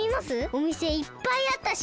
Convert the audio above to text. おみせいっぱいあったし。